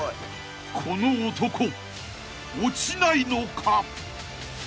［この男落ちないのか？］